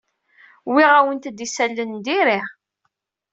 Wwiɣ-awent-d isalan n diri.